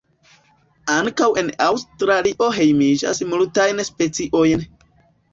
Ankaŭ en Aŭstralio hejmiĝas multajn speciojn.